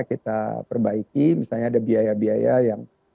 kita perbaiki misalnya ada biaya biaya yang